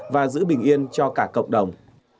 và giữ bình yên cho cả cộng đồng